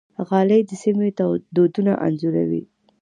غالۍ د سیمې دودونه انځوروي.